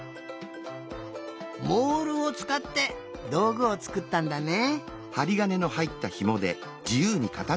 モールをつかってどうぐをつくったんだね。